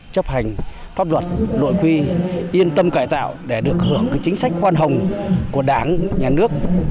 chấp hành pháp luật nội quy yên tâm cải tạo để được hưởng chính sách khoan hồng của đảng nhà nước